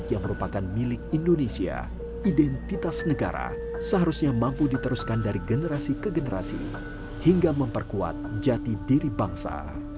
yang merupakan milik indonesia identitas negara seharusnya mampu diteruskan dari generasi ke generasi hingga memperkuat jati diri bangsa